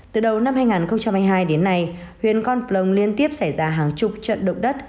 từ đầu năm hai nghìn hai mươi hai đến nay huyện con plong liên tiếp xảy ra hàng chục trận động đất